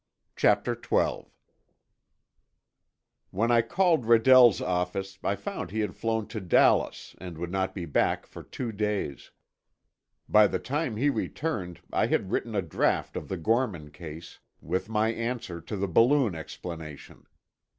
CHAPTER XII When I called Redell's office I found he had flown to Dallas and would not be back for two days. By the time he returned, I had written a draft of the Gorman case, with my answer to the balloon explanation.